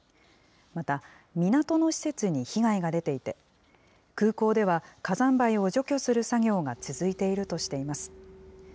また、港の施設に被害が出ていて、空港では火山灰を除去する作業が続いているとしています。